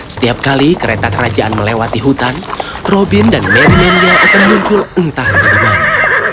setiap kali kereta kerajaan melewati hutan robin dan mery mennya akan muncul entah dari baru